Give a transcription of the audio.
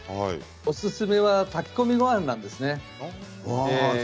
おすすめは炊き込みごはんなんですね。